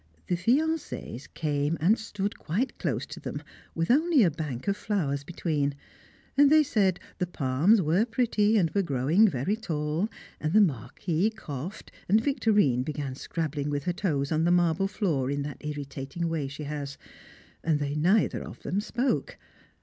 The fiancés came and stood quite close to them, with only a bank of flowers between; and they said the palms were pretty and were growing very tall, and the Marquis coughed, and Victorine began scrabbling with her toes on the marble floor in that irritating way she has, and they neither of them spoke.